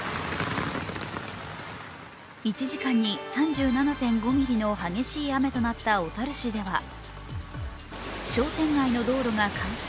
１時間に３７．５ミリの激しい雨となった小樽市では商店街の道路が冠水。